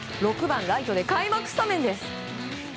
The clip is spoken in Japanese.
６番ライトで開幕スタメンです！